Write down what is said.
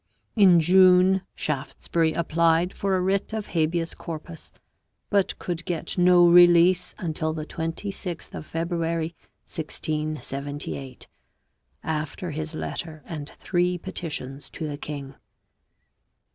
In June Shaftesbury applied for a writ of habeas corpus, but could get no release until the 26th of February 1678, after his letter and three petitions to the king.